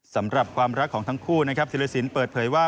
สำหรับความรักของทั้งคู่นะครับศิลสินเปิดเผยว่า